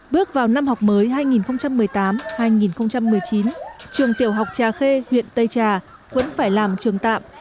bước vào năm học mới hai nghìn một mươi tám hai nghìn một mươi chín trường tiểu học trà khê huyện tây trà vẫn phải làm trường tạm